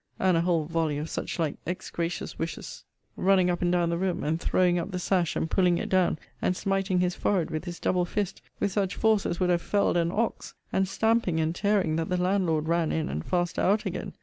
and a whole volley of such like excratious wishes; running up and down the room, and throwing up the sash, and pulling it down, and smiting his forehead with his double fist, with such force as would have felled as ox, and stamping and tearing, that the landlord ran in, and faster out again.